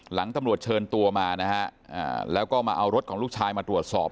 หลังตำรวจเชิญตัวมานะฮะแล้วก็มาเอารถของลูกชายมาตรวจสอบ